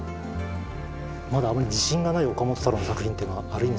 まだあまり自信がない岡本太郎の作品というのはある意味